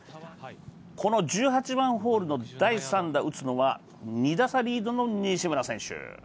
この１８番ホールの第３打、打つのは２打差リードの西村選手。